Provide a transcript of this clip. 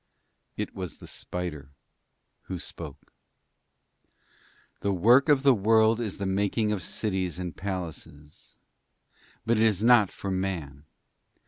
It was the spider who spoke. 'The Work of the World is the making of cities and palaces. But it is not for Man.